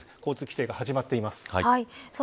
交通規制が始まっています。